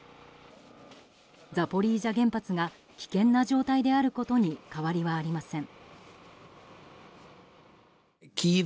ザポリージャ原発が危険な状態であることに変わりはありません。